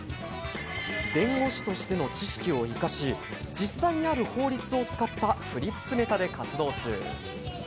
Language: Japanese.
弁護士としての知識を生かし、実際にある法律を使ったフリップネタで活動中。